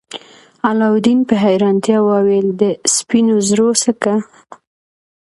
علاوالدین په حیرانتیا وویل د سپینو زرو سکه.